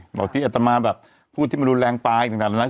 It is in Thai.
หมอทิอัตมาแบบผู้ทิมรุแรงปายถึงต่าง